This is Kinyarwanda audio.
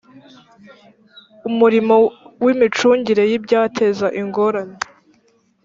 umurimo w imicungire y ibyateza ingorane